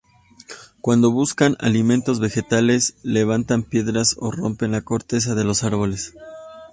Cuando buscan alimentos vegetales, levantan piedras o rompen la corteza de los árboles.